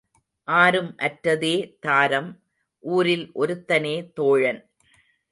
ஆரும் அற்றதே தாரம் ஊரில் ஒருத்தனே தோழன்.